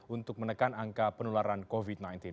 untuk menekan angka penularan covid sembilan belas